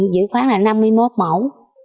dự khoán là năm mươi một mẫu